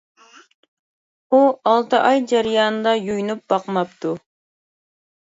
ئۇ ئالتە ئاي جەريانىدا يۇيۇنۇپ باقماپتۇ.